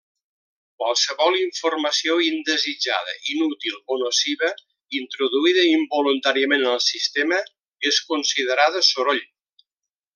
Qualsevol informació indesitjada, inútil o nociva, introduïda involuntàriament en el sistema, és considerada soroll.